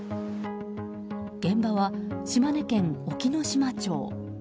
現場は島根県隠岐の島町。